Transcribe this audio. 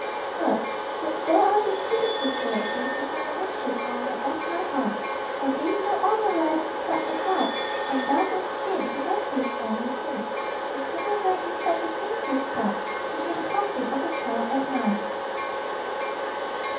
Sure, since there are these pitiful poor chinks Upon the makeshift armor of my heart, For thee no honor lies in such a fight! And thou wouldst shame to vanquish one, me thinks, Who came awake with such a painful start To hear the coughing of a child at night.